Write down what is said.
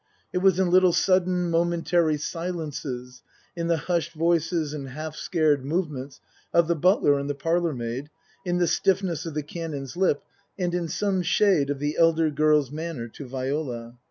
It was in little sudden, momen tary silences, in the hushed voices and half scared move ments of the butler and the parlourmaid, in the stiffness of the Canon's lip, and in some shade of the elder girls' manner to Viola.